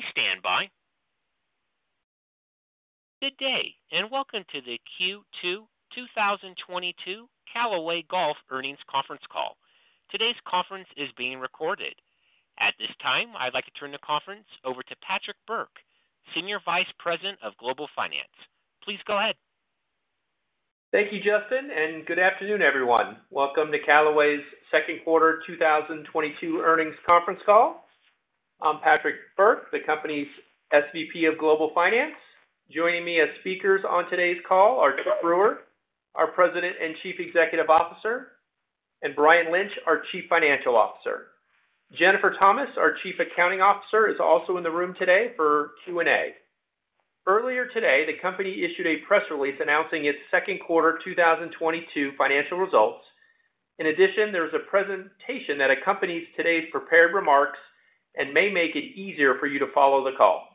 Please stand by. Good day, and welcome to the Q2 2022 Callaway Golf earnings conference call. Today's conference is being recorded. At this time, I'd like to turn the conference over to Patrick Burke, Senior Vice President of Global Finance. Please go ahead. Thank you, Justin, and good afternoon, everyone. Welcome to Callaway's second quarter 2022 earnings conference call. I'm Patrick Burke, the company's SVP of Global Finance. Joining me as speakers on today's call are Chip Brewer, our President and Chief Executive Officer, and Brian Lynch, our Chief Financial Officer. Jennifer Thomas, our Chief Accounting Officer, is also in the room today for Q&A. Earlier today, the company issued a press release announcing its second quarter 2022 financial results. In addition, there's a presentation that accompanies today's prepared remarks and may make it easier for you to follow the call.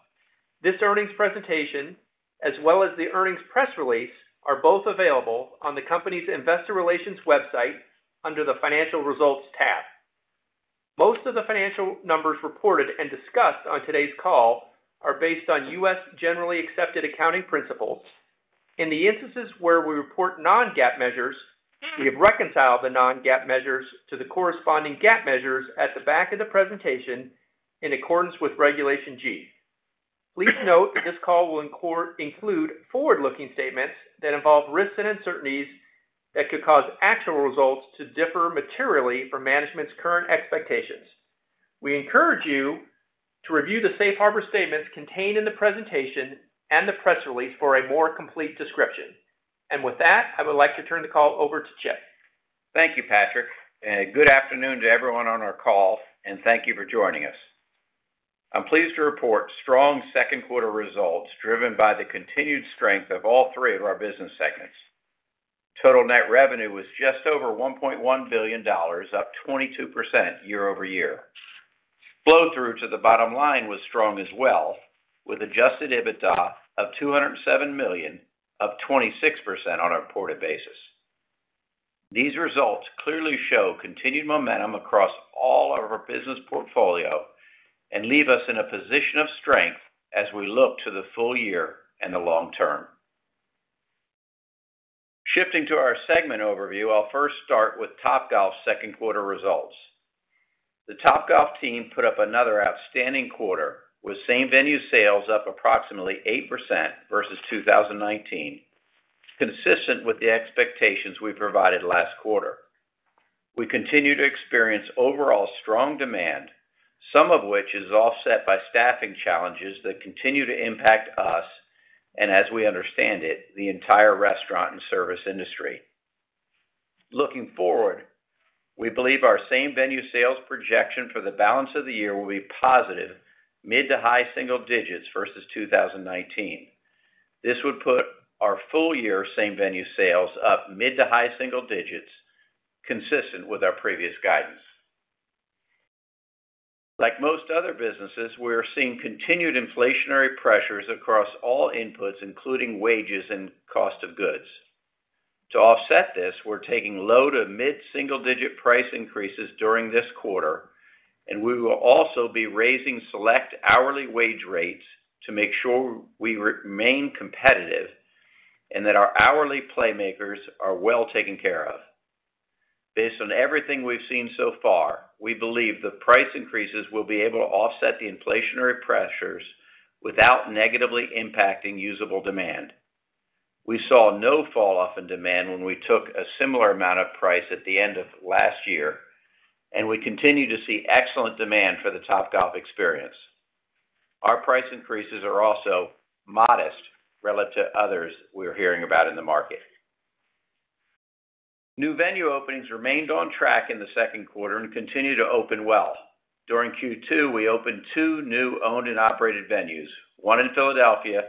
This earnings presentation, as well as the earnings press release, are both available on the company's Investor Relations website under the Financial Results tab. Most of the financial numbers reported and discussed on today's call are based on U.S. generally accepted accounting principles. In the instances where we report non-GAAP measures, we have reconciled the non-GAAP measures to the corresponding GAAP measures at the back of the presentation in accordance with Regulation G. Please note that this call will include forward-looking statements that involve risks and uncertainties that could cause actual results to differ materially from management's current expectations. We encourage you to review the safe harbor statements contained in the presentation and the press release for a more complete description. With that, I would like to turn the call over to Chip. Thank you, Patrick, and good afternoon to everyone on our call, and thank you for joining us. I'm pleased to report strong second quarter results driven by the continued strength of all three of our business segments. Total net revenue was just over $1.1 billion, up 22% year-over-year. Flow-through to the bottom line was strong as well, with Adjusted EBITDA of $207 million, up 26% on a reported basis. These results clearly show continued momentum across all of our business portfolio and leave us in a position of strength as we look to the full year and the long term. Shifting to our segment overview, I'll first start with Topgolf's second quarter results. The Topgolf team put up another outstanding quarter with same-venue sales up approximately 8% versus 2019, consistent with the expectations we provided last quarter. We continue to experience overall strong demand, some of which is offset by staffing challenges that continue to impact us, and as we understand it, the entire restaurant and service industry. Looking forward, we believe our same-venue sales projection for the balance of the year will be positive mid- to high-single digits versus 2019. This would put our full-year same-venue sales up mid- to high-single digits, consistent with our previous guidance. Like most other businesses, we're seeing continued inflationary pressures across all inputs, including wages and cost of goods. To offset this, we're taking low- to mid-single-digit price increases during this quarter, and we will also be raising select hourly wage rates to make sure we remain competitive and that our hourly playmakers are well taken care of. Based on everything we've seen so far, we believe the price increases will be able to offset the inflationary pressures without negatively impacting usable demand. We saw no fall off in demand when we took a similar amount of price at the end of last year, and we continue to see excellent demand for the Topgolf experience. Our price increases are also modest relative to others we're hearing about in the market. New venue openings remained on track in the second quarter and continue to open well. During Q2, we opened two new owned and operated venues, one in Philadelphia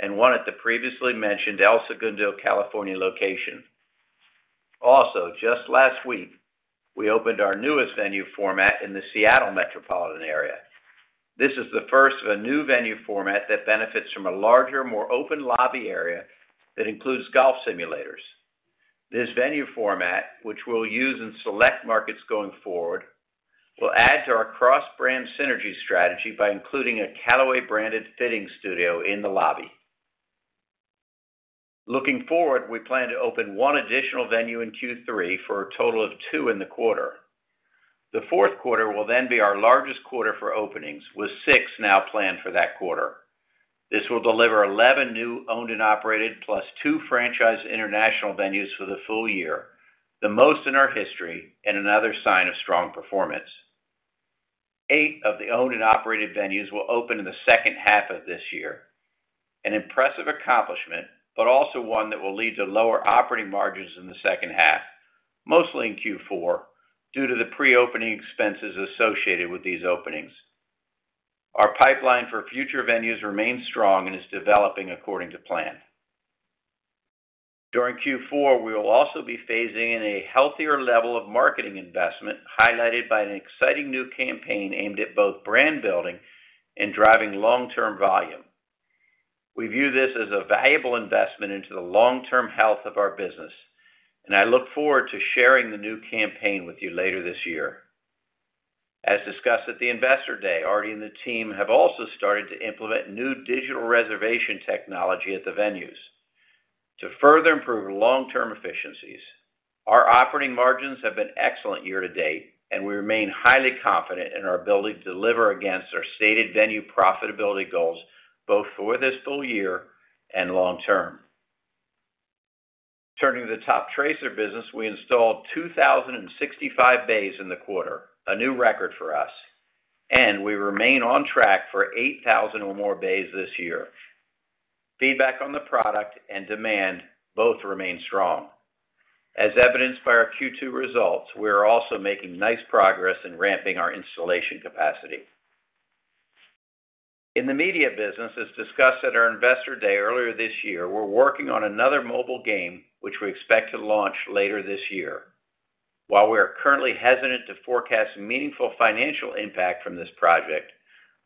and one at the previously mentioned El Segundo, California location. Also, just last week, we opened our newest venue format in the Seattle metropolitan area. This is the first of a new venue format that benefits from a larger, more open lobby area that includes golf simulators. This venue format, which we'll use in select markets going forward, will add to our cross-brand synergy strategy by including a Callaway-branded fitting studio in the lobby. Looking forward, we plan to open one additional venue in Q3 for a total of two in the quarter. The fourth quarter will then be our largest quarter for openings, with six now planned for that quarter. This will deliver 11 new owned and operated plus two franchise international venues for the full year, the most in our history and another sign of strong performance. Eight of the owned and operated venues will open in the second half of this year, an impressive accomplishment, but also one that will lead to lower operating margins in the second half, mostly in Q4, due to the pre-opening expenses associated with these openings. Our pipeline for future venues remains strong and is developing according to plan. During Q4, we will also be phasing in a healthier level of marketing investment, highlighted by an exciting new campaign aimed at both brand building and driving long-term volume. We view this as a valuable investment into the long-term health of our business, and I look forward to sharing the new campaign with you later this year. As discussed at the Investor Day, Artie and the team have also started to implement new digital reservation technology at the venues to further improve long-term efficiencies. Our operating margins have been excellent year-to-date, and we remain highly confident in our ability to deliver against our stated venue profitability goals, both for this full year and long term. Turning to the Toptracer business, we installed 2,065 bays in the quarter, a new record for us, and we remain on track for 8,000 or more bays this year. Feedback on the product and demand both remain strong. As evidenced by our Q2 results, we are also making nice progress in ramping our installation capacity. In the media business, as discussed at our Investor Day earlier this year, we're working on another mobile game which we expect to launch later this year. While we are currently hesitant to forecast meaningful financial impact from this project,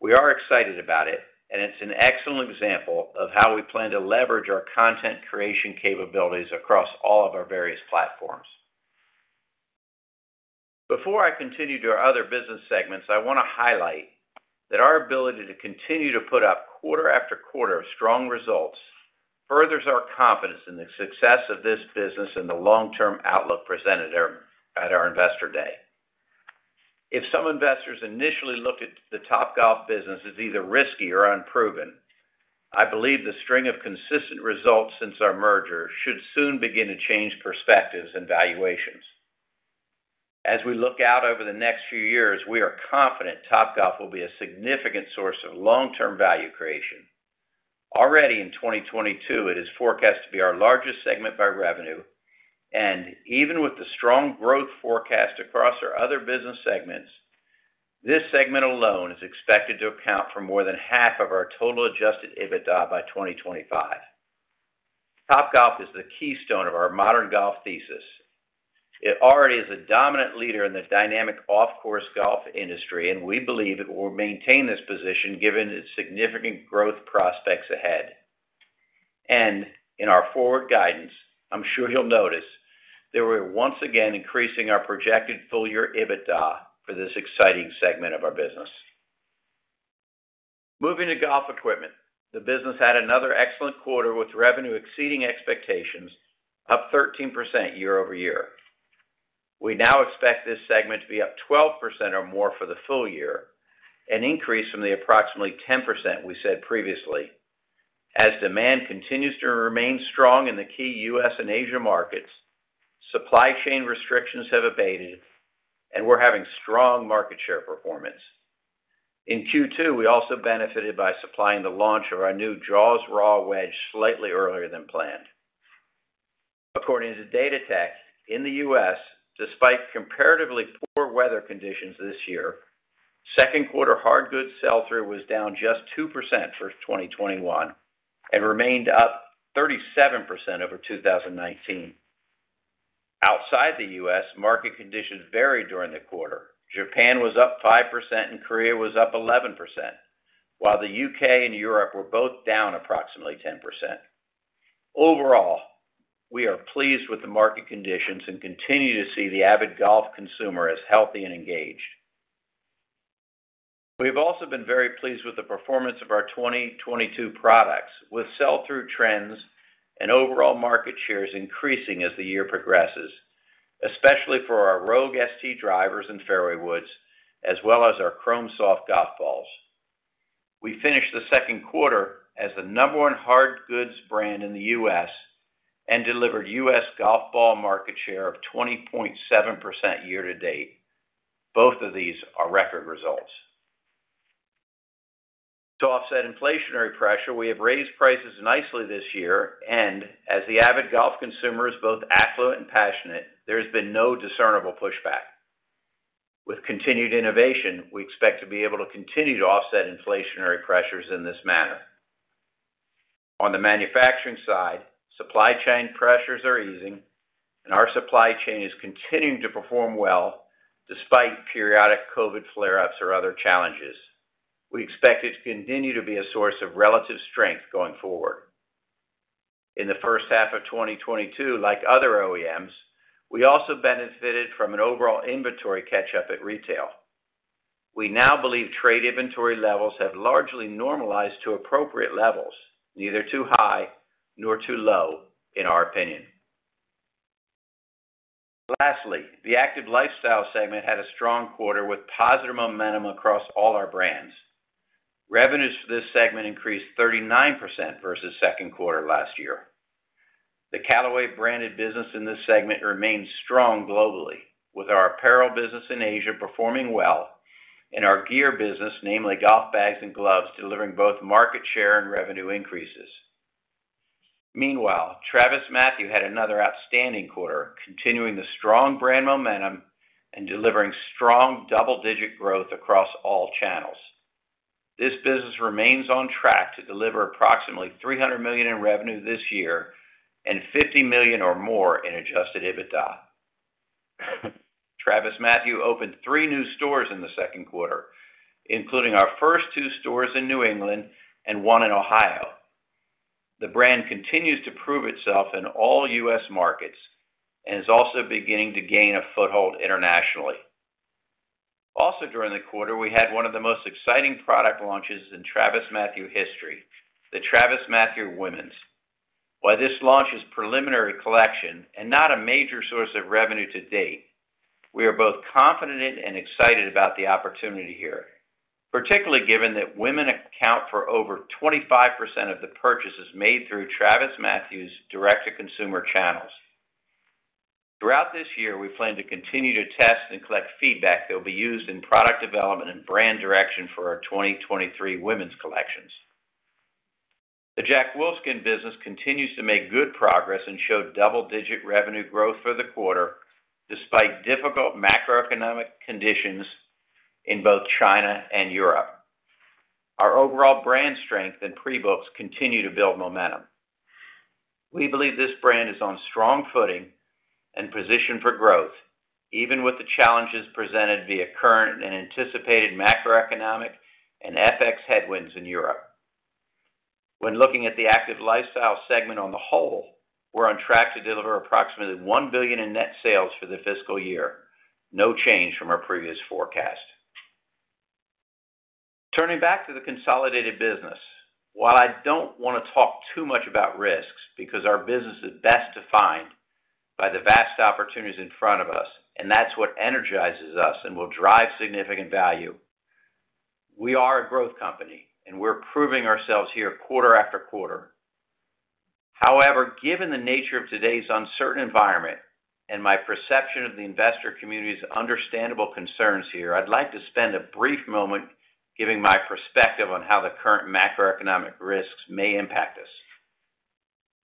we are excited about it, and it's an excellent example of how we plan to leverage our content creation capabilities across all of our various platforms. Before I continue to our other business segments, I want to highlight that our ability to continue to put up quarter-after-quarter of strong results furthers our confidence in the success of this business and the long-term outlook presented at our Investor Day. If some investors initially looked at the Topgolf business as either risky or unproven, I believe the string of consistent results since our merger should soon begin to change perspectives and valuations. As we look out over the next few years, we are confident Topgolf will be a significant source of long-term value creation. Already in 2022, it is forecast to be our largest segment by revenue. Even with the strong growth forecast across our other business segments, this segment alone is expected to account for more than half of our total Adjusted EBITDA by 2025. Topgolf is the keystone of our modern golf thesis. It already is a dominant leader in the dynamic off-course golf industry, and we believe it will maintain this position given its significant growth prospects ahead. In our forward guidance, I'm sure you'll notice that we're once again increasing our projected full year EBITDA for this exciting segment of our business. Moving to Golf Equipment, the business had another excellent quarter with revenue exceeding expectations, up 13% year-over-year. We now expect this segment to be up 12% or more for the full year, an increase from the approximately 10% we said previously. As demand continues to remain strong in the key U.S. and Asia markets, supply chain restrictions have abated, and we're having strong market share performance. In Q2, we also benefited by supplying the launch of our new Jaws Raw wedge slightly earlier than planned. According to Golf Datatech, in the U.S., despite comparatively poor weather conditions this year, second quarter hard goods sell-through was down just 2% for 2021 and remained up 37% over 2019. Outside the U.S., market conditions varied during the quarter. Japan was up 5% and Korea was up 11%, while the U.K. and Europe were both down approximately 10%. Overall, we are pleased with the market conditions and continue to see the avid golf consumer as healthy and engaged. We've also been very pleased with the performance of our 2022 products, with sell-through trends and overall market shares increasing as the year progresses, especially for our Rogue ST drivers and fairway woods, as well as our Chrome Soft golf balls. We finished the second quarter as the number one hard goods brand in the U.S. and delivered U.S. golf ball market share of 20.7% year-to-date. Both of these are record results. To offset inflationary pressure, we have raised prices nicely this year, and as the avid golf consumer is both affluent and passionate, there has been no discernible pushback. With continued innovation, we expect to be able to continue to offset inflationary pressures in this manner. On the manufacturing side, supply chain pressures are easing and our supply chain is continuing to perform well despite periodic COVID flare-ups or other challenges. We expect it to continue to be a source of relative strength going forward. In the first half of 2022, like other OEMs, we also benefited from an overall inventory catch-up at retail. We now believe trade inventory levels have largely normalized to appropriate levels, neither too high nor too low, in our opinion. Lastly, the Active Lifestyle segment had a strong quarter with positive momentum across all our brands. Revenues for this segment increased 39% versus second quarter last year. The Callaway branded business in this segment remains strong globally, with our apparel business in Asia performing well and our gear business, namely golf bags and gloves, delivering both market share and revenue increases. Meanwhile, TravisMathew had another outstanding quarter, continuing the strong brand momentum and delivering strong double-digit growth across all channels. This business remains on track to deliver approximately $300 million in revenue this year and $50 million or more in Adjusted EBITDA. TravisMathew opened three new stores in the second quarter, including our first two stores in New England and one in Ohio. The brand continues to prove itself in all U.S. markets and is also beginning to gain a foothold internationally. Also, during the quarter, we had one of the most exciting product launches in TravisMathew history, the TravisMathew Women's. While this launch is preliminary collection and not a major source of revenue to date, we are both confident and excited about the opportunity here, particularly given that women account for over 25% of the purchases made through TravisMathew's direct-to-consumer channels. Throughout this year, we plan to continue to test and collect feedback that will be used in product development and brand direction for our 2023 women's collections. The Jack Wolfskin business continues to make good progress and showed double-digit revenue growth for the quarter, despite difficult macroeconomic conditions in both China and Europe. Our overall brand strength and pre-books continue to build momentum. We believe this brand is on strong footing and positioned for growth, even with the challenges presented via current and anticipated macroeconomic and FX headwinds in Europe. When looking at the Active Lifestyle segment on the whole, we're on track to deliver approximately $1 billion in net sales for the fiscal year, no change from our previous forecast. Turning back to the consolidated business, while I don't wanna talk too much about risks because our business is best defined by the vast opportunities in front of us, and that's what energizes us and will drive significant value, we are a growth company, and we're proving ourselves here quarter-after-quarter. However, given the nature of today's uncertain environment and my perception of the investor community's understandable concerns here, I'd like to spend a brief moment giving my perspective on how the current macroeconomic risks may impact us.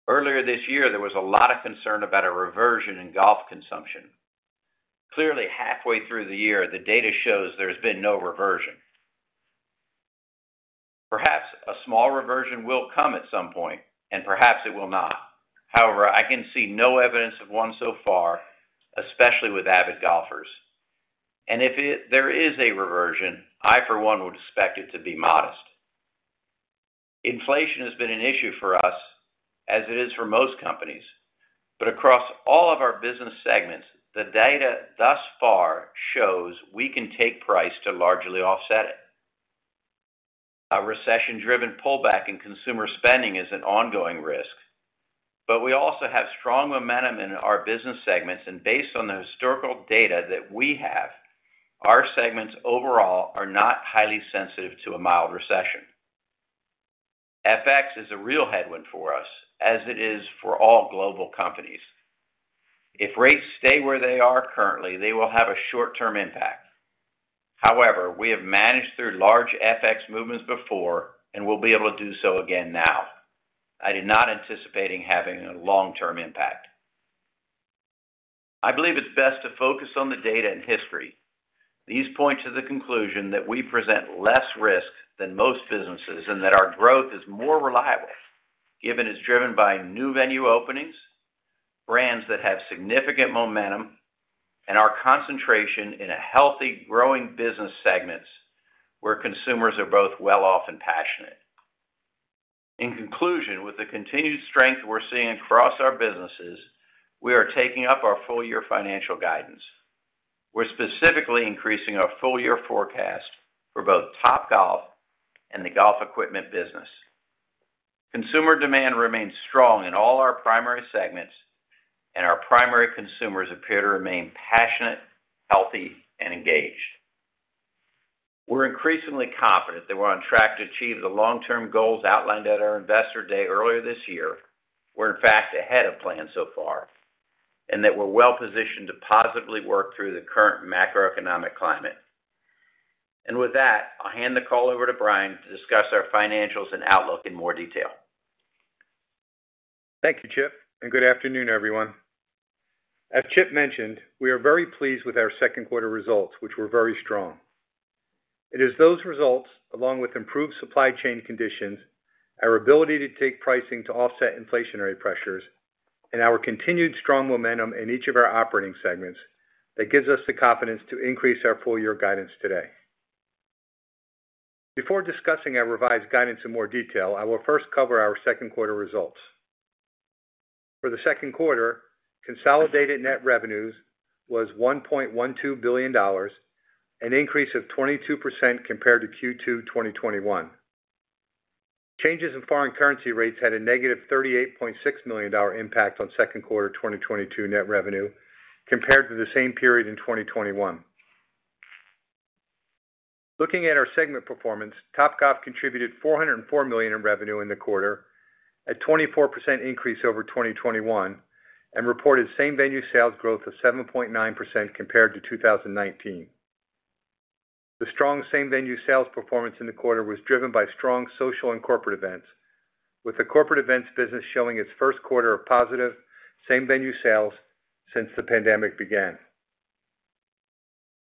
Earlier this year, there was a lot of concern about a reversion in golf consumption. Clearly, halfway through the year, the data shows there's been no reversion. Perhaps a small reversion will come at some point, and perhaps it will not. However, I can see no evidence of one so far, especially with avid golfers. there is a reversion, I, for one, would expect it to be modest. Inflation has been an issue for us, as it is for most companies, but across all of our business segments, the data thus far shows we can take price to largely offset it. A recession-driven pullback in consumer spending is an ongoing risk, but we also have strong momentum in our business segments, and based on the historical data that we have, our segments overall are not highly sensitive to a mild recession. FX is a real headwind for us, as it is for all global companies. If rates stay where they are currently, they will have a short-term impact. However, we have managed through large FX movements before, and we'll be able to do so again now. I am not anticipating having a long-term impact. I believe it's best to focus on the data and history. These point to the conclusion that we present less risk than most businesses, and that our growth is more reliable, given it's driven by new venue openings, brands that have significant momentum, and our concentration in a healthy, growing business segments where consumers are both well-off and passionate. In conclusion, with the continued strength we're seeing across our businesses, we are taking up our full-year financial guidance. We're specifically increasing our full-year forecast for both Topgolf and the Golf Equipment business. Consumer demand remains strong in all our primary segments, and our primary consumers appear to remain passionate, healthy, and engaged. We're increasingly confident that we're on track to achieve the long-term goals outlined at our Investor Day earlier this year. We're in fact ahead of plan so far, and that we're well-positioned to positively work through the current macroeconomic climate. With that, I'll hand the call over to Brian to discuss our financials and outlook in more detail. Thank you, Chip, and good afternoon, everyone. As Chip mentioned, we are very pleased with our second quarter results, which were very strong. It is those results, along with improved supply chain conditions, our ability to take pricing to offset inflationary pressures, and our continued strong momentum in each of our operating segments that gives us the confidence to increase our full-year guidance today. Before discussing our revised guidance in more detail, I will first cover our second quarter results. For the second quarter, consolidated net revenues was $1.12 billion, an increase of 22% compared to Q2 2021. Changes in foreign currency rates had a negative $38.6 million impact on second quarter 2022 net revenue compared to the same period in 2021. Looking at our segment performance, Topgolf contributed $404 million in revenue in the quarter, a 24% increase over 2021, and reported same-venue sales growth of 7.9% compared to 2019. The strong same-venue sales performance in the quarter was driven by strong social and corporate events, with the corporate events business showing its first quarter of positive same-venue sales since the pandemic began.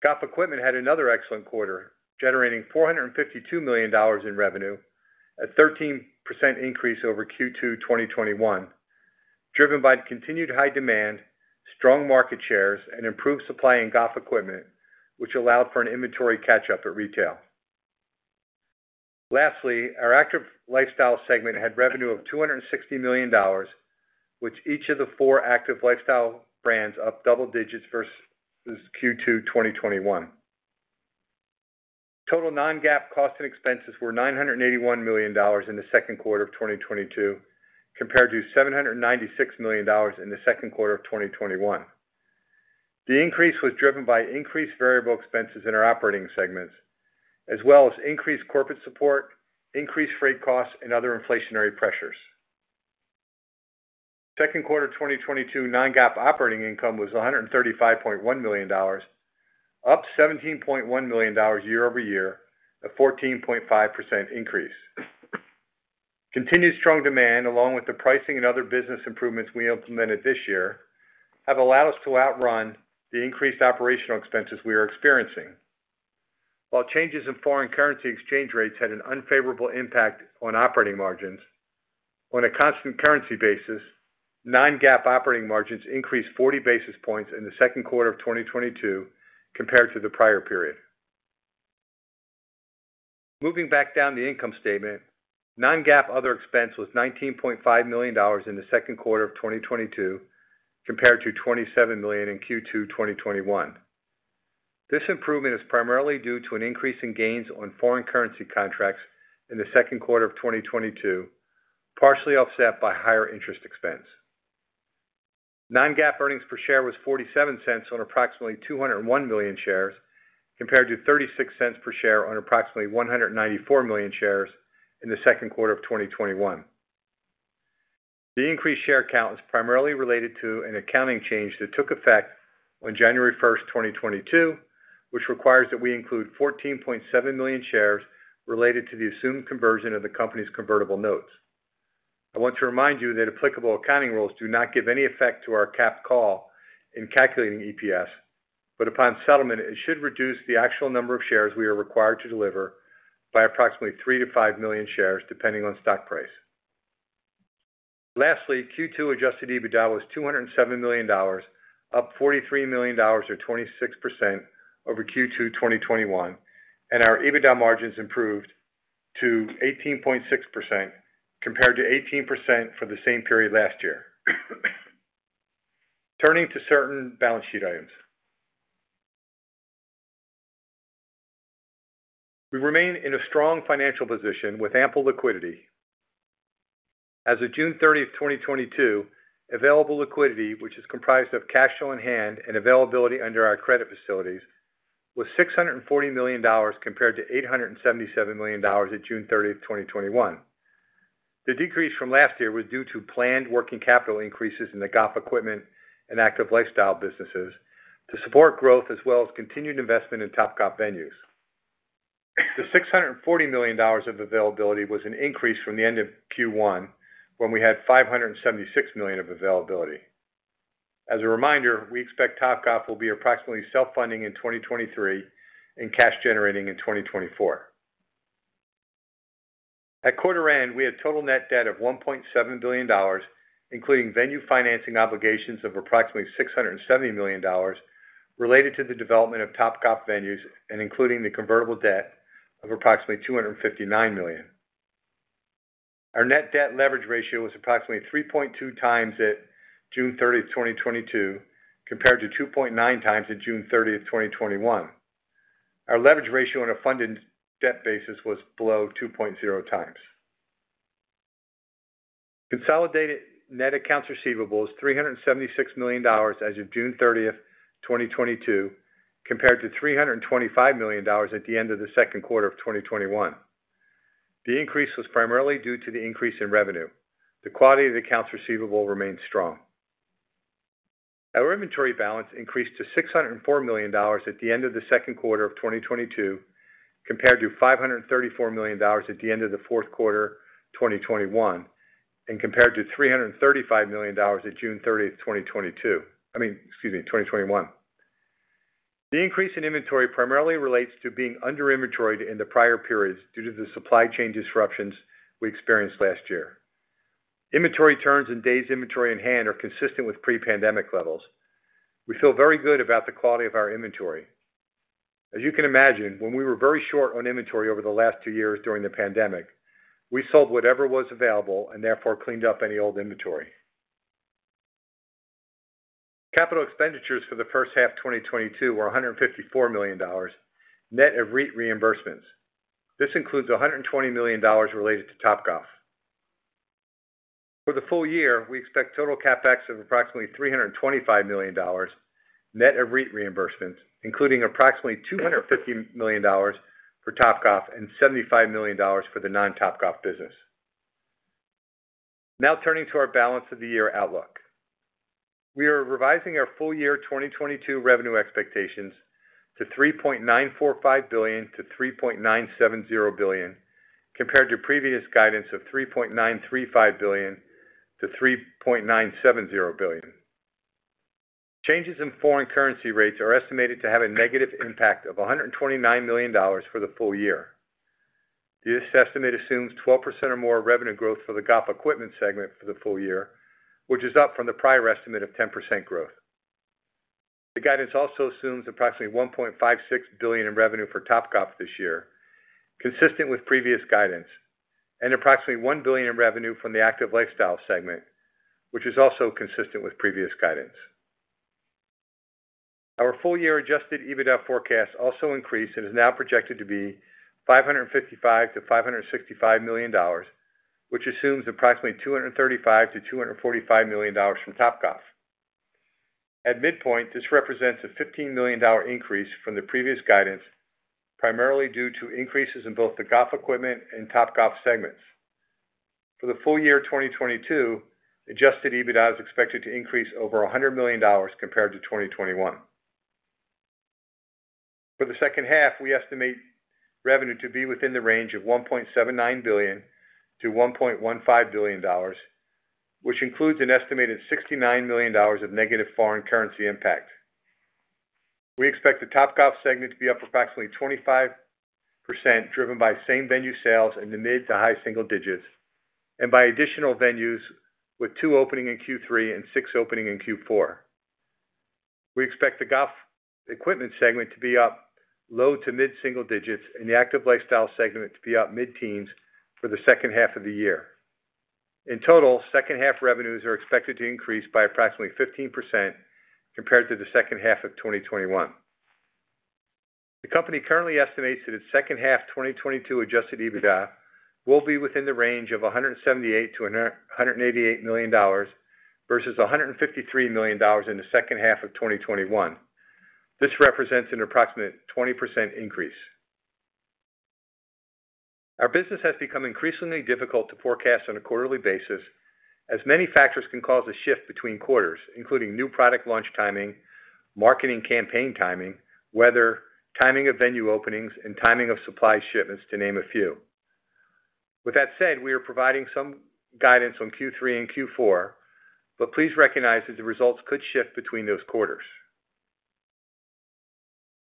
Golf Equipment had another excellent quarter, generating $452 million in revenue, a 13% increase over Q2 2021, driven by the continued high demand, strong market shares, and improved supply in Golf Equipment, which allowed for an inventory catch-up at retail. Lastly, our Active Lifestyle segment had revenue of $260 million, with each of the four Active Lifestyle brands up double digits versus Q2 2021. Total non-GAAP costs and expenses were $981 million in the second quarter of 2022, compared to $796 million in the second quarter of 2021. The increase was driven by increased variable expenses in our operating segments, as well as increased corporate support, increased freight costs, and other inflationary pressures. Second quarter 2022 non-GAAP operating income was $135.1 million, up $17.1 million year-over-year, a 14.5% increase. Continued strong demand along with the pricing and other business improvements we implemented this year have allowed us to outrun the increased operational expenses we are experiencing. While changes in foreign currency exchange rates had an unfavorable impact on operating margins, on a constant currency basis, non-GAAP operating margins increased 40 basis points in the second quarter of 2022 compared to the prior period. Moving back down the income statement, non-GAAP other expense was $19.5 million in the second quarter of 2022, compared to $27 million in Q2 2021. This improvement is primarily due to an increase in gains on foreign currency contracts in the second quarter of 2022, partially offset by higher interest expense. Non-GAAP earnings per share was $0.47 on approximately 201 million shares, compared to $0.36 per share on approximately 194 million shares in the second quarter of 2021. The increased share count was primarily related to an accounting change that took effect on January 1st, 2022, which requires that we include 14.7 million shares related to the assumed conversion of the company's convertible notes. I want to remind you that applicable accounting rules do not give any effect to our capped call in calculating EPS, but upon settlement, it should reduce the actual number of shares we are required to deliver by approximately 3 million-5 million shares, depending on stock price. Lastly, Q2 Adjusted EBITDA was $207 million, up $43 million or 26% over Q2 2021, and our EBITDA margins improved to 18.6% compared to 18% for the same period last year. Turning to certain balance sheet items. We remain in a strong financial position with ample liquidity. As of June 30, 2022, available liquidity, which is comprised of cash on hand and availability under our credit facilities, was $640 million compared to $877 million at June 30, 2021. The decrease from last year was due to planned working capital increases in the Golf Equipment and Active Lifestyle businesses to support growth as well as continued investment in Topgolf venues. The $640 million of availability was an increase from the end of Q1 when we had $576 million of availability. As a reminder, we expect Topgolf will be approximately self-funding in 2023 and cash generating in 2024. At quarter end, we had total net debt of $1.7 billion, including venue financing obligations of approximately $670 million related to the development of Topgolf venues and including the convertible debt of approximately $259 million. Our net debt leverage ratio was approximately 3.2x at June 30th, 2022, compared to 2.9x at June 30th, 2021. Our leverage ratio on a funded debt basis was below 2.0x. Consolidated net accounts receivables, $376 million as of June 30th, 2022, compared to $325 million at the end of the second quarter of 2021. The increase was primarily due to the increase in revenue. The quality of the accounts receivable remains strong. Our inventory balance increased to $604 million at the end of the second quarter of 2022, compared to $534 million at the end of the fourth quarter 2021, and compared to $335 million at June 30, 2021. The increase in inventory primarily relates to being under inventoried in the prior periods due to the supply chain disruptions we experienced last year. Inventory turns and days inventory in hand are consistent with pre-pandemic levels. We feel very good about the quality of our inventory. As you can imagine, when we were very short on inventory over the last two years during the pandemic, we sold whatever was available and therefore cleaned up any old inventory. Capital expenditures for the first half 2022 were $154 million net of REIT reimbursements. This includes $120 million related to Topgolf. For the full year, we expect total CapEx of approximately $325 million net of REIT reimbursements, including approximately $250 million for Topgolf and $75 million for the non-Topgolf business. Now turning to our back half of the year outlook. We are revising our full year 2022 revenue expectations to $3.945 billion-$3.970 billion, compared to previous guidance of $3.935 billion-$3.970 billion. Changes in foreign currency rates are estimated to have a negative impact of $129 million for the full year. This estimate assumes 12% or more revenue growth for the Golf Equipment segment for the full year, which is up from the prior estimate of 10% growth. The guidance also assumes approximately $1.56 billion in revenue for Topgolf this year, consistent with previous guidance, and approximately $1 billion in revenue from the Active Lifestyle segment, which is also consistent with previous guidance. Our full year Adjusted EBITDA forecast also increased and is now projected to be $555 million-$565 million, which assumes approximately $235 million-$245 million from Topgolf. At midpoint, this represents a $15 million increase from the previous guidance, primarily due to increases in both the Golf Equipment and Topgolf segments. For the full year 2022, Adjusted EBITDA is expected to increase over $100 million compared to 2021. For the second half, we estimate revenue to be within the range of $1.79 billion-$1.15 billion, which includes an estimated $69 million of negative foreign currency impact. We expect the Topgolf segment to be up approximately 25%, driven by same-venue sales in the mid to high single-digits and by additional venues with two opening in Q3 and six opening in Q4. We expect the Golf Equipment segment to be up low to mid single-digits and the Active Lifestyle segment to be up mid-teens for the second half of the year. In total, second half revenues are expected to increase by approximately 15% compared to the second half of 2021. The company currently estimates that its second half 2022 Adjusted EBITDA will be within the range of $178 million-$188 million versus $153 million in the second half of 2021. This represents an approximate 20% increase. Our business has become increasingly difficult to forecast on a quarterly basis, as many factors can cause a shift between quarters, including new product launch timing, marketing campaign timing, weather, timing of venue openings, and timing of supply shipments, to name a few. With that said, we are providing some guidance on Q3 and Q4, but please recognize that the results could shift between those quarters.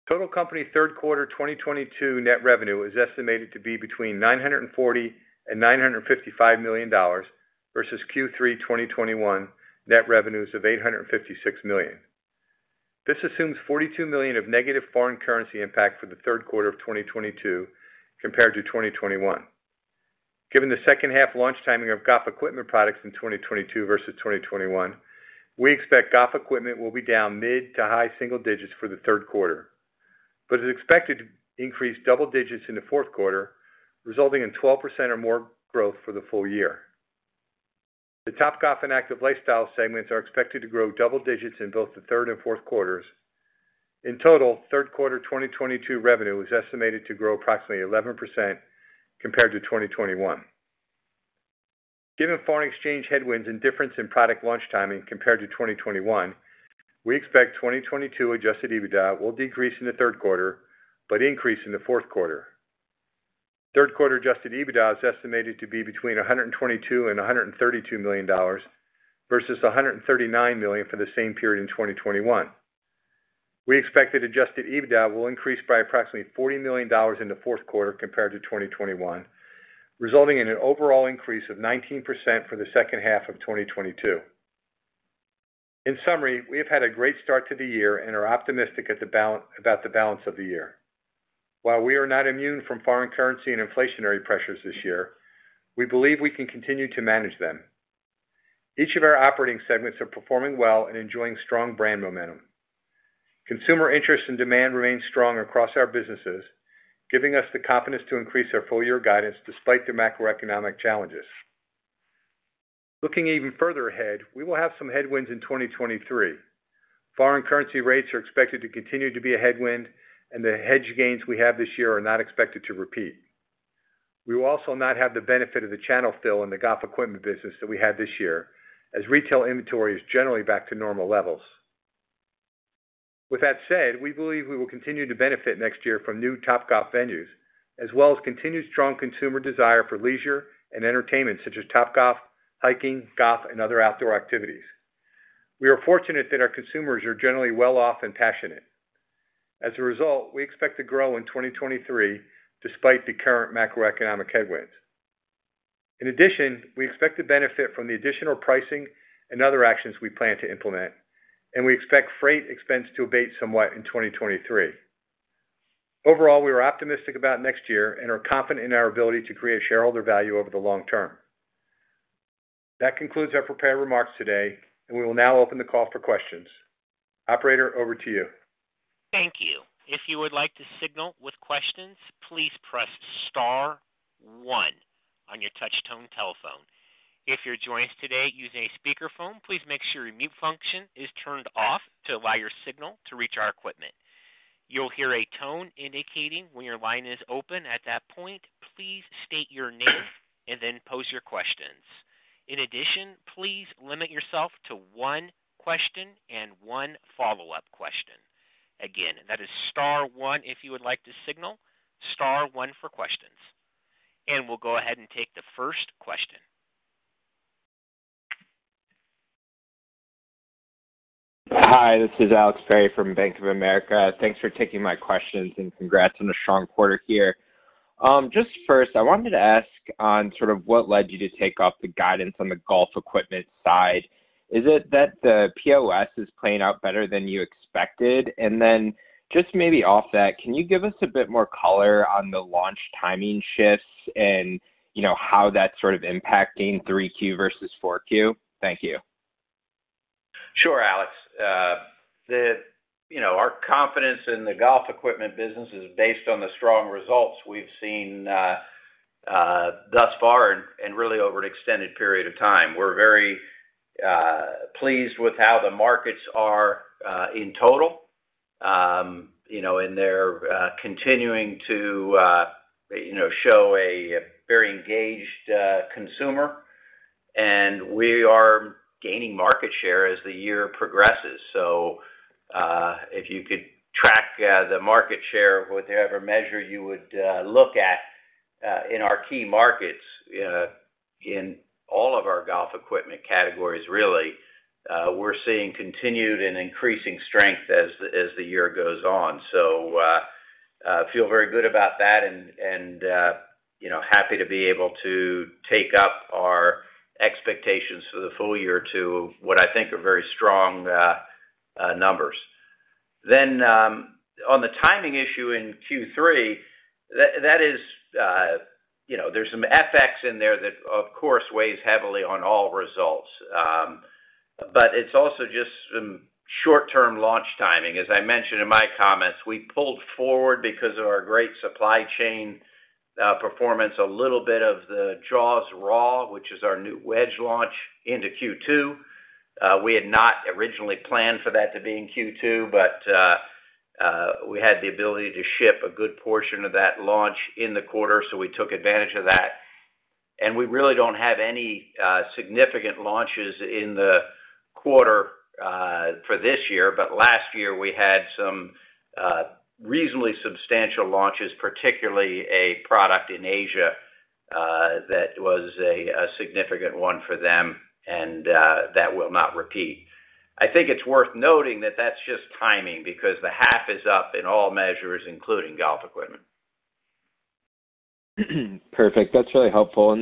Total company third quarter 2022 net revenue is estimated to be between $940 million and $955 million versus Q3 2021 net revenues of $856 million. This assumes $42 million of negative foreign currency impact for the third quarter of 2022 compared to 2021. Given the second half launch timing of Golf Equipment products in 2022 versus 2021, we expect Golf Equipment will be down mid to high single-digits for the third quarter. is expected to increase double digits in the fourth quarter, resulting in 12% or more growth for the full year. The Topgolf and Active Lifestyle segments are expected to grow double digits in both the third and fourth quarters. In total, third quarter 2022 revenue is estimated to grow approximately 11% compared to 2021. Given foreign exchange headwinds and difference in product launch timing compared to 2021, we expect 2022 Adjusted EBITDA will decrease in the third quarter, but increase in the fourth quarter. Third quarter Adjusted EBITDA is estimated to be between $122 million and $132 million versus $139 million for the same period in 2021. We expect that Adjusted EBITDA will increase by approximately $40 million in the fourth quarter compared to 2021, resulting in an overall increase of 19% for the second half of 2022. In summary, we have had a great start to the year and are optimistic about the balance of the year. While we are not immune from foreign currency and inflationary pressures this year, we believe we can continue to manage them. Each of our operating segments are performing well and enjoying strong brand momentum. Consumer interest and demand remains strong across our businesses, giving us the confidence to increase our full year guidance despite the macroeconomic challenges. Looking even further ahead, we will have some headwinds in 2023. Foreign currency rates are expected to continue to be a headwind, and the hedge gains we have this year are not expected to repeat. We will also not have the benefit of the channel fill in the Golf Equipment business that we had this year, as retail inventory is generally back to normal levels. With that said, we believe we will continue to benefit next year from new Topgolf venues, as well as continued strong consumer desire for leisure and entertainment such as Topgolf, hiking, golf, and other outdoor activities. We are fortunate that our consumers are generally well off and passionate. As a result, we expect to grow in 2023 despite the current macroeconomic headwinds. In addition, we expect to benefit from the additional pricing and other actions we plan to implement, and we expect freight expense to abate somewhat in 2023. Overall, we are optimistic about next year and are confident in our ability to create shareholder value over the long term. That concludes our prepared remarks today, and we will now open the call for questions. Operator, over to you. Thank you. If you would like to signal with questions, please press star one on your touch tone telephone. If you're joining us today using a speaker phone, please make sure your mute function is turned off to allow your signal to reach our equipment. You'll hear a tone indicating when your line is open. At that point, please state your name and then pose your questions. In addition, please limit yourself to one question and one follow-up question. Again, that is star one if you would like to signal, star one for questions. We'll go ahead and take the first question. Hi, this is Alex Perry from Bank of America. Thanks for taking my questions, and congrats on a strong quarter here. Just first, I wanted to ask on sort of what led you to take off the guidance on the Golf Equipment side. Is it that the POS is playing out better than you expected? Just maybe off that, can you give us a bit more color on the launch timing shifts and, you know, how that's sort of impacting 3Q versus 4Q? Thank you. Sure, Alex. You know, our confidence in the Golf Equipment business is based on the strong results we've seen thus far and really over an extended period of time. We're very pleased with how the markets are in total, you know, and they're continuing to show a very engaged consumer, and we are gaining market share as the year progresses. If you could track the market share with whatever measure you would look at in our key markets in all of our Golf Equipment categories, really, we're seeing continued and increasing strength as the year goes on. Feel very good about that and, you know, happy to be able to take up our expectations for the full year to what I think are very strong numbers. On the timing issue in Q3, that is, you know, there's some FX in there that, of course, weighs heavily on all results. It's also just some short-term launch timing. As I mentioned in my comments, we pulled forward because of our great supply chain performance, a little bit of the Jaws Raw, which is our new wedge launch into Q2. We had not originally planned for that to be in Q2, but we had the ability to ship a good portion of that launch in the quarter, so we took advantage of that. We really don't have any significant launches in the quarter for this year. Last year, we had some reasonably substantial launches, particularly a product in Asia that was a significant one for them and that will not repeat. I think it's worth noting that that's just timing because the half is up in all measures, including Golf Equipment. Perfect. That's really helpful.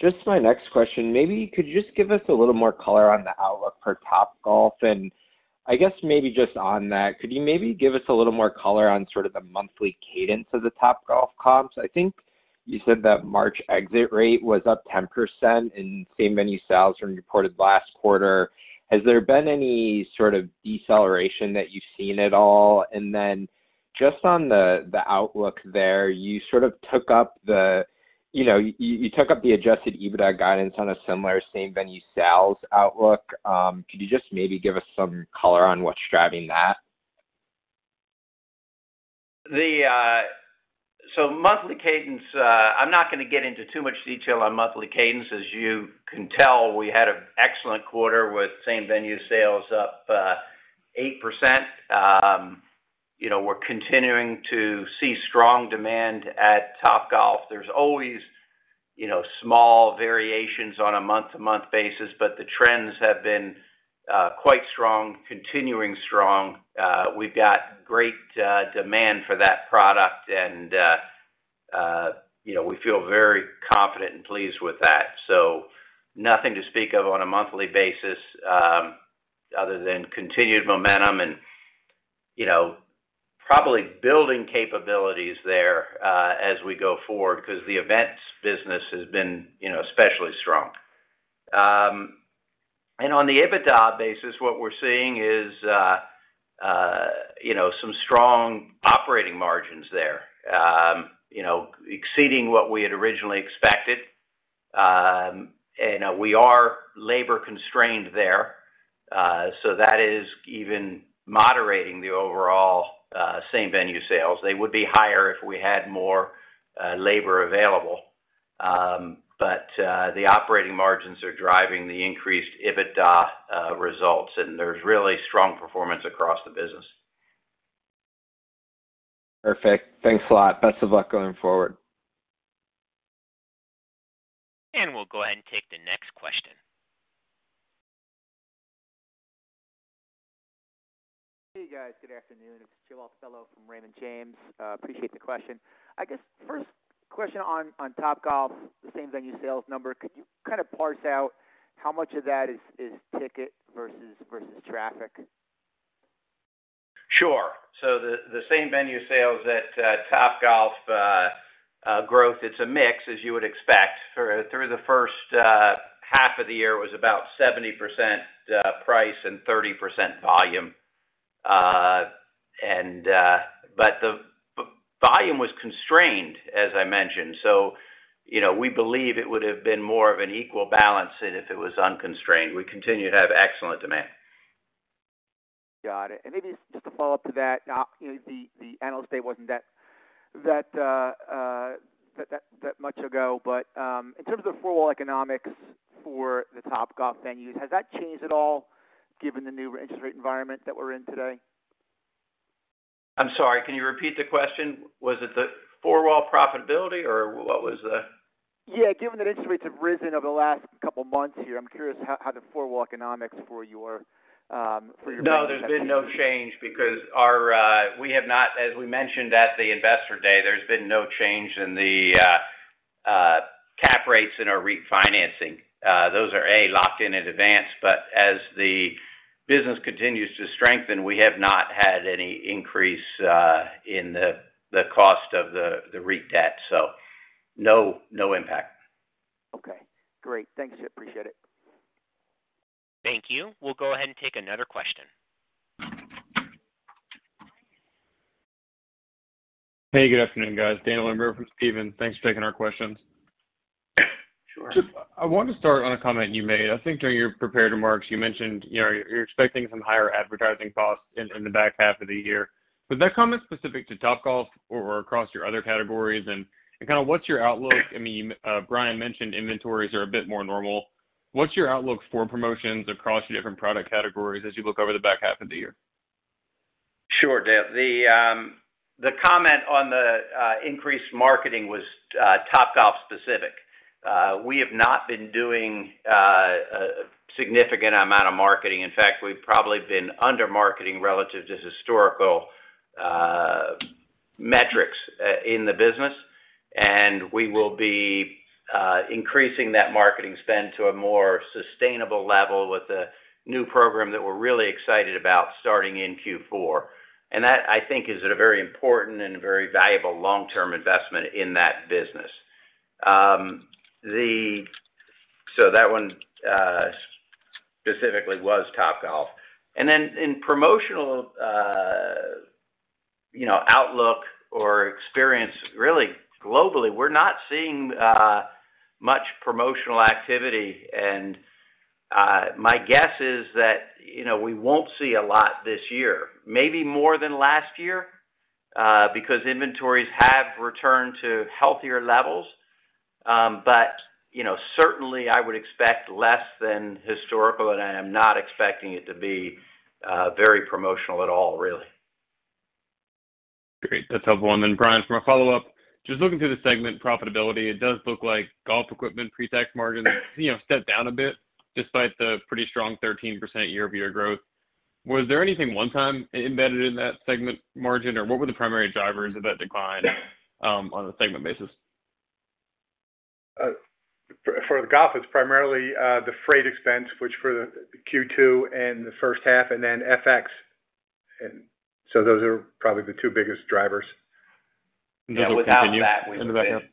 Just my next question, maybe could you just give us a little more color on the outlook for Topgolf? I guess maybe just on that, could you maybe give us a little more color on sort of the monthly cadence of the Topgolf comps? I think you said that March exit rate was up 10% in same venue sales from reported last quarter. Has there been any sort of deceleration that you've seen at all? Just on the outlook there, you sort of took up the, you know, you took up the Adjusted EBITDA guidance on a similar same venue sales outlook. Could you just maybe give us some color on what's driving that? Monthly cadence. I'm not gonna get into too much detail on monthly cadence. As you can tell, we had an excellent quarter with same-venue sales up 8%. You know, we're continuing to see strong demand at Topgolf. There's always, you know, small variations on a month-to-month basis, but the trends have been quite strong, continuing strong. We've got great demand for that product and, you know, we feel very confident and pleased with that. Nothing to speak of on a monthly basis, other than continued momentum and, you know, probably building capabilities there, as we go forward because the events business has been, you know, especially strong. On the EBITDA basis, what we're seeing is, you know, some strong operating margins there, you know, exceeding what we had originally expected. We are labor constrained there. That is even moderating the overall same-venue sales. They would be higher if we had more labor available. The operating margins are driving the increased EBITDA results, and there's really strong performance across the business. Perfect. Thanks a lot. Best of luck going forward. We'll go ahead and take the next question. Hey, guys. Good afternoon. It's Joe Altobello from Raymond James. Appreciate the question. I guess first question on Topgolf, the same-venue sales number. Could you kind of parse out how much of that is ticket versus traffic? Sure. The same-venue sales at Topgolf growth, it's a mix, as you would expect. Through the first half of the year, it was about 70% price and 30% volume. But the volume was constrained, as I mentioned. You know, we believe it would have been more of an equal balance if it was unconstrained. We continue to have excellent demand. Got it. Maybe just a follow-up to that. Now, you know, the Investor Day wasn't that That much ago. In terms of the overall economics for the Topgolf venues, has that changed at all given the new interest rate environment that we're in today? I'm sorry, can you repeat the question? Was it the four-wall profitability, or what was the? Yeah. Given that interest rates have risen over the last couple months here, I'm curious how the four-wall economics for your No, there's been no change. As we mentioned at the Investor Day, there's been no change in the cap rates in our refinancing. Those are locked in in advance. As the business continues to strengthen, we have not had any increase in the cost of the REIT debt, so no impact. Okay, great. Thanks. Appreciate it. Thank you. We'll go ahead and take another question. Hey, good afternoon, guys. Daniel Imbro from Stephens. Thanks for taking our questions. Sure. I want to start on a comment you made. I think during your prepared remarks, you mentioned, you know, you're expecting some higher advertising costs in the back half of the year. Is that comment specific to Topgolf or across your other categories? Kind of what's your outlook? I mean, Brian mentioned inventories are a bit more normal. What's your outlook for promotions across your different product categories as you look over the back half of the year? Sure, Dan. The comment on the increased marketing was Topgolf specific. We have not been doing a significant amount of marketing. In fact, we've probably been under-marketing relative to historical metrics in the business, and we will be increasing that marketing spend to a more sustainable level with a new program that we're really excited about starting in Q4. That, I think, is a very important and very valuable long-term investment in that business. That one specifically was Topgolf. Then in promotional you know outlook or experience really globally, we're not seeing much promotional activity. My guess is that you know we won't see a lot this year, maybe more than last year, because inventories have returned to healthier levels. You know, certainly I would expect less than historical, and I am not expecting it to be very promotional at all, really. Great. That's helpful. Brian, for my follow-up, just looking through the segment profitability, it does look like Golf Equipment pre-tax margin, you know, stepped down a bit despite the pretty strong 13% year-over-year growth. Was there anything one-time embedded in that segment margin, or what were the primary drivers of that decline on a segment basis? For the golf, it's primarily the freight expense, which for the Q2 and the first half, and then FX. Those are probably the two biggest drivers. Without that.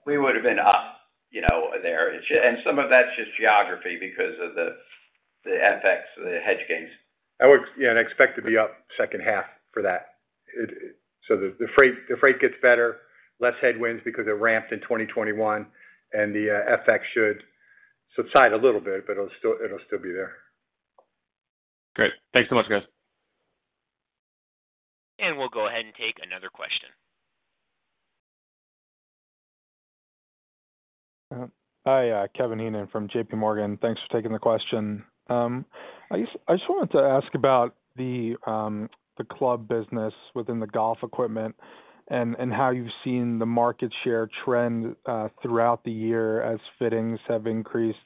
We would have been up, you know, there. Some of that's just geography because of the FX, the hedge gains. Yeah, expect to be up second half for that. The freight gets better, less headwinds because it ramped in 2021, and the FX should subside a little bit, but it'll still be there. Great. Thanks so much, guys. We'll go ahead and take another question. Hi. Kevin Heenan from JPMorgan. Thanks for taking the question. I just wanted to ask about the club business within the Golf Equipment and how you've seen the market share trend throughout the year as fittings have increased.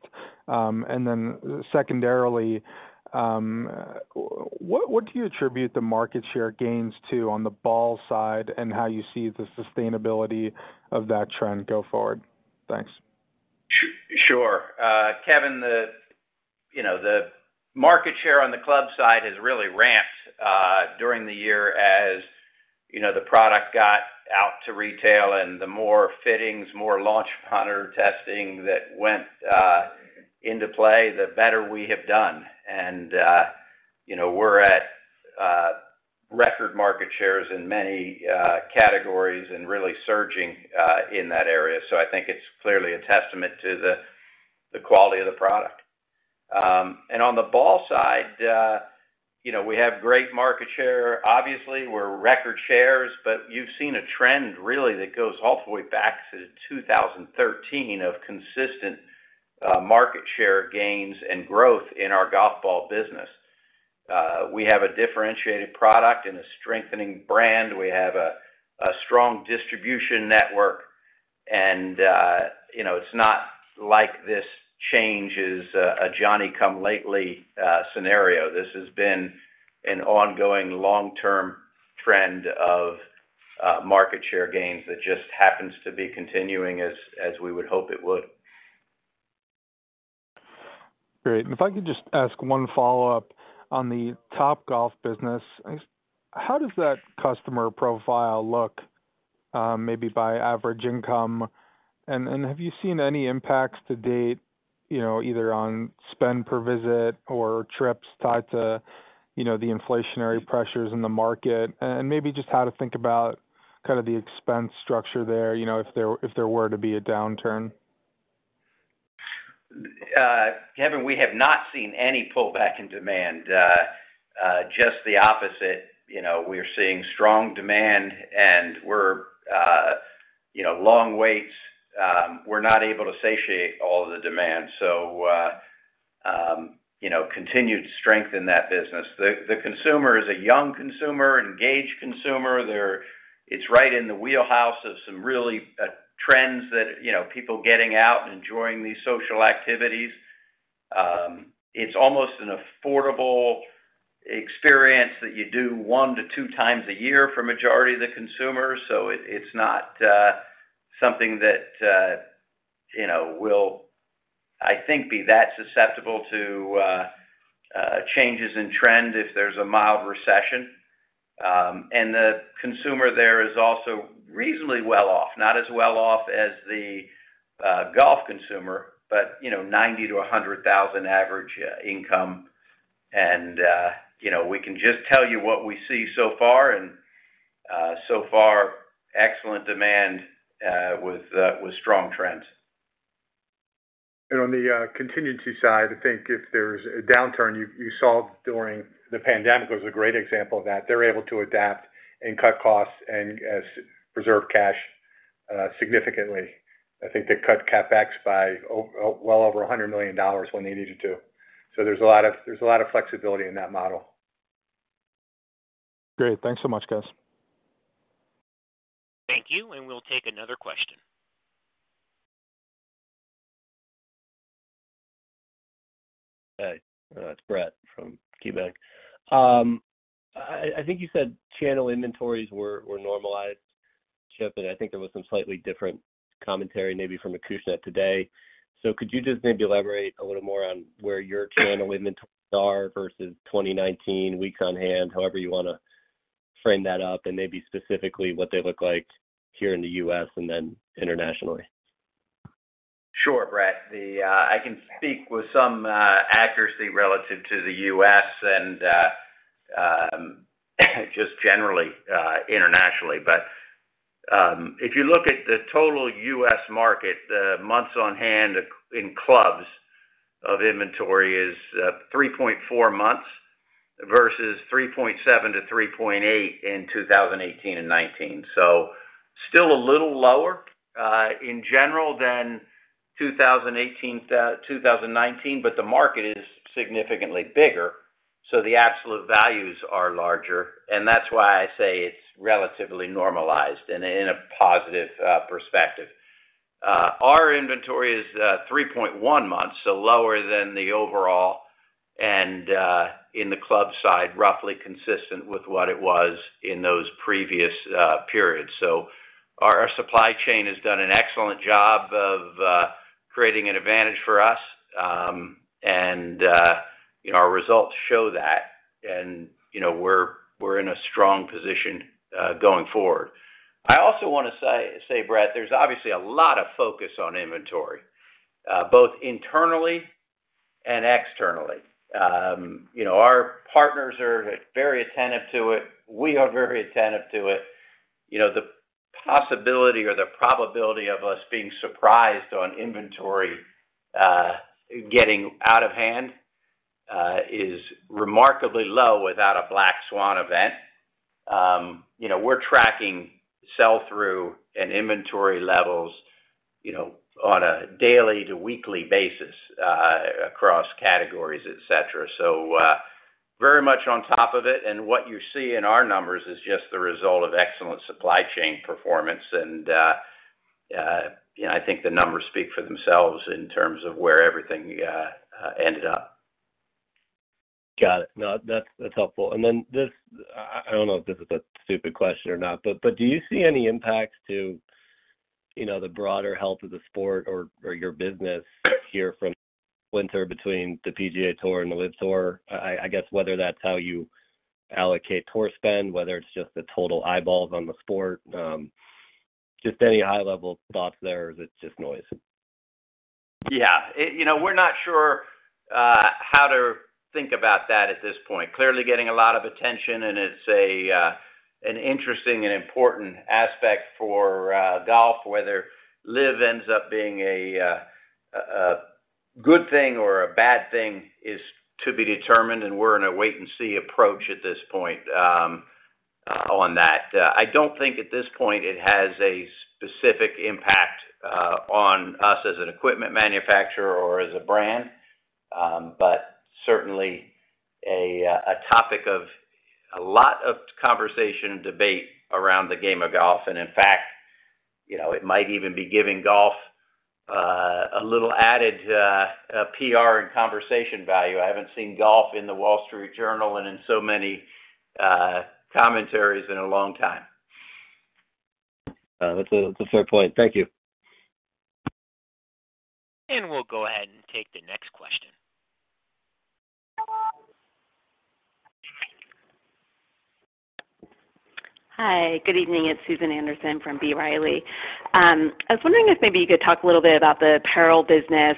Secondarily, what do you attribute the market share gains to on the ball side and how you see the sustainability of that trend go forward? Thanks. Sure. Kevin, you know, the market share on the club side has really ramped during the year as you know, the product got out to retail and the more fittings, more launch monitor testing that went into play, the better we have done. You know, we're at record market shares in many categories and really surging in that area. I think it's clearly a testament to the quality of the product. On the ball side, you know, we have great market share. Obviously, we're at record shares, but you've seen a trend really that goes all the way back to 2013 of consistent market share gains and growth in our golf ball business. We have a differentiated product and a strengthening brand. We have a strong distribution network, and you know, it's not like this change is a Johnny-come-lately scenario. This has been an ongoing long-term trend of market share gains that just happens to be continuing as we would hope it would. Great. If I could just ask one follow-up on the Topgolf business. How does that customer profile look, maybe by average income? And have you seen any impacts to date, you know, either on spend per visit or trips tied to, you know, the inflationary pressures in the market? And maybe just how to think about kind of the expense structure there, you know, if there were to be a downturn. Kevin, we have not seen any pullback in demand. Just the opposite. You know, we are seeing strong demand, and we're, you know, long waits. We're not able to satiate all the demand. Continued strength in that business. The consumer is a young consumer, engaged consumer. It's right in the wheelhouse of some real trends that, you know, people getting out and enjoying these social activities. It's almost an affordable experience that you do 1x-2x a year for majority of the consumers. It's not something that, you know, will, I think, be that susceptible to changes in trend if there's a mild recession. The consumer there is also reasonably well off, not as well off as the golf consumer, but you know, $90,000-$100,000 average income. You know, we can just tell you what we see so far, and so far, excellent demand with strong trends. On the contingency side, I think if there's a downturn, you saw during the pandemic was a great example of that. They're able to adapt and cut costs and reserve cash significantly. I think they cut CapEx by well over $100 million when they needed to. There's a lot of flexibility in that model. Great. Thanks so much, guys. Thank you. We'll take another question. Hey, it's Brett from Jefferies. I think you said channel inventories were normalized, Chip, and I think there was some slightly different commentary maybe from Acushnet today. Could you just maybe elaborate a little more on where your channel inventories are versus 2019 weeks on hand, however you wanna frame that up, and maybe specifically what they look like here in the U.S. and then internationally? Sure, Brett. I can speak with some accuracy relative to the U.S. and just generally internationally. If you look at the total U.S. market, the months on hand in clubs of inventory is three point four months versus three point seven to three point eight in 2018 and 2019. Still a little lower in general than 2018 and 2019, but the market is significantly bigger, so the absolute values are larger, and that's why I say it's relatively normalized in a positive perspective. Our inventory is three point one months, so lower than the overall and in the club side, roughly consistent with what it was in those previous periods. Our supply chain has done an excellent job of creating an advantage for us, and you know, our results show that, and you know, we're in a strong position going forward. I also wanna say, Brett, there's obviously a lot of focus on inventory both internally and externally. You know, our partners are very attentive to it. We are very attentive to it. You know, the possibility or the probability of us being surprised on inventory getting out of hand is remarkably low without a black swan event. You know, we're tracking sell-through and inventory levels, you know, on a daily to weekly basis across categories, et cetera. Very much on top of it. What you see in our numbers is just the result of excellent supply chain performance and, you know, I think the numbers speak for themselves in terms of where everything ended up. Got it. No, that's helpful. Then this, I don't know if this is a stupid question or not, but do you see any impacts to, you know, the broader health of the sport or your business here from war between the PGA Tour and the LIV Golf? I guess whether that's how you allocate tour spend, whether it's just the total eyeballs on the sport, just any high-level thoughts there, or is it just noise? Yeah. You know, we're not sure how to think about that at this point. Clearly getting a lot of attention, and it's an interesting and important aspect for golf. Whether LIV ends up being a good thing or a bad thing is to be determined, and we're in a wait and see approach at this point on that. I don't think at this point it has a specific impact on us as an equipment manufacturer or as a brand, but certainly a topic of a lot of conversation and debate around the game of golf. In fact, you know, it might even be giving golf a little added PR and conversation value. I haven't seen golf in The Wall Street Journal and in so many commentaries in a long time. That's a fair point. Thank you. We'll go ahead and take the next question. Hi. Good evening. It's Susan Anderson from B. Riley. I was wondering if maybe you could talk a little bit about the apparel business.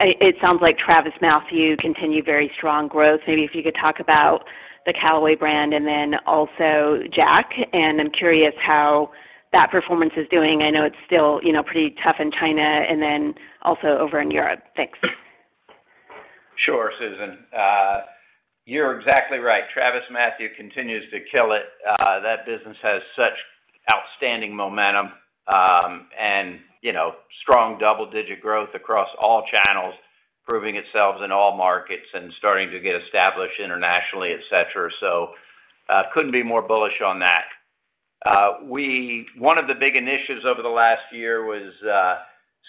It sounds like TravisMathew continued very strong growth. Maybe if you could talk about the Callaway brand and then also Jack Wolfskin, and I'm curious how that performance is doing. I know it's still, you know, pretty tough in China and then also over in Europe. Thanks. Sure, Susan. You're exactly right. TravisMathew continues to kill it. That business has such outstanding momentum, and, you know, strong double-digit growth across all channels, proving itself in all markets and starting to get established internationally, et cetera. Couldn't be more bullish on that. One of the big initiatives over the last year was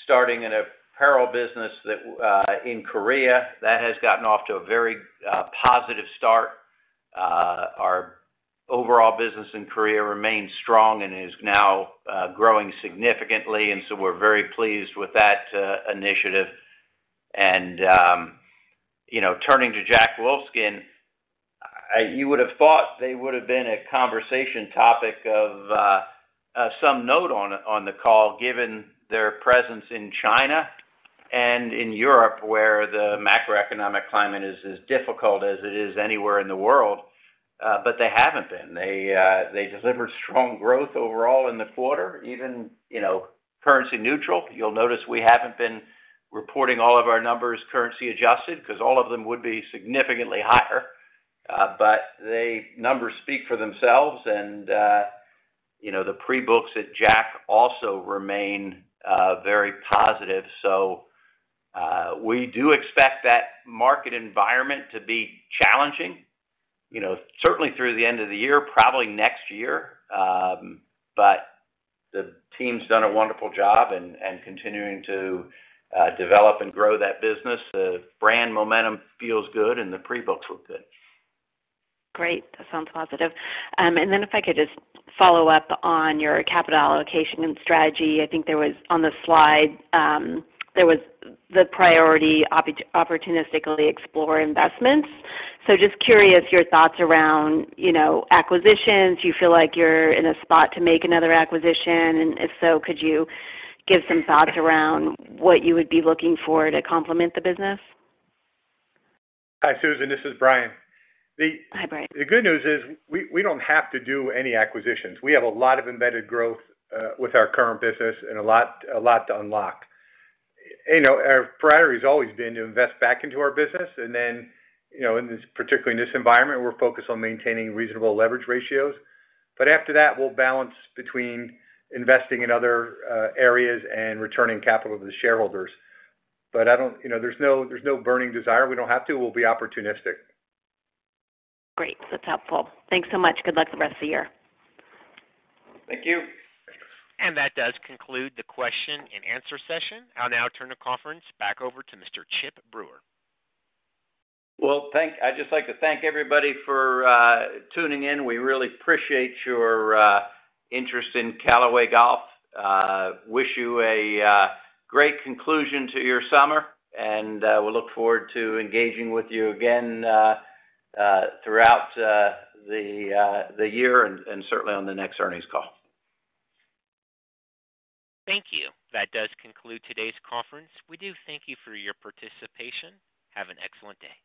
starting an apparel business that in Korea. That has gotten off to a very positive start. Our overall business in Korea remains strong and is now growing significantly, and so we're very pleased with that initiative. You know, turning to Jack Wolfskin, you would have thought they would have been a conversation topic of some note on the call, given their presence in China and in Europe, where the macroeconomic climate is as difficult as it is anywhere in the world. They haven't been. They delivered strong growth overall in the quarter, even, you know, currency neutral. You'll notice we haven't been reporting all of our numbers currency adjusted, 'cause all of them would be significantly higher, but the numbers speak for themselves and, you know, the pre-books at Jack also remain very positive. We do expect that market environment to be challenging, you know, certainly through the end of the year, probably next year, but the team's done a wonderful job in continuing to develop and grow that business. The brand momentum feels good and the pre-books look good. Great. That sounds positive. If I could just follow up on your capital allocation and strategy. I think there was, on the slide, the priority opportunistically explore investments. Just curious your thoughts around, you know, acquisitions. Do you feel like you're in a spot to make another acquisition? If so, could you give some thoughts around what you would be looking for to complement the business? Hi, Susan, this is Brian. Hi, Brian. The good news is we don't have to do any acquisitions. We have a lot of embedded growth with our current business and a lot to unlock. You know, our priority has always been to invest back into our business and then, you know, in this, particularly in this environment, we're focused on maintaining reasonable leverage ratios. After that, we'll balance between investing in other areas and returning capital to the shareholders. I don't. You know, there's no burning desire. We don't have to. We'll be opportunistic. Great. That's helpful. Thanks so much. Good luck the rest of the year. Thank you. Thank you. That does conclude the question-and-answer session. I'll now turn the conference back over to Mr. Chip Brewer. I'd just like to thank everybody for tuning in. We really appreciate your interest in Callaway Golf. Wish you a great conclusion to your summer. We look forward to engaging with you again throughout the year and certainly on the next earnings call. Thank you. That does conclude today's conference. We do thank you for your participation. Have an excellent day.